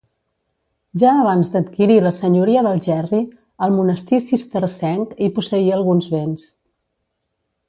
Ja abans d’adquirir la senyoria d’Algerri, el monestir cistercenc hi posseïa alguns béns.